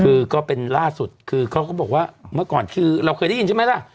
คือก็เป็นล่าสุดคือเขาก็บอกว่าเมื่อก่อนคือเราเคยได้ยินใช่ไหมล่ะ